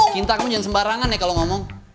cinta kamu jangan sembarangan ya kalau ngomong